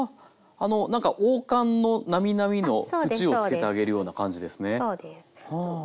あなんか王冠のなみなみの縁をつけてあげるような感じですね。